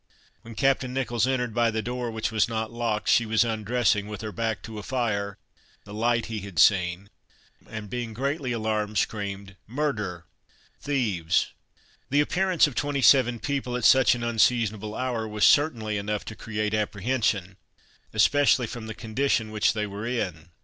When Captain Nicholls entered by the door, which was not locked, she was undressing, with her back to a fire, the light he had seen, and being greatly alarmed, screamed, "Murder! thieves!" The appearance of twenty seven people at such an unseasonable hour, was certainly enough to create apprehension, especially from the condition which they were in.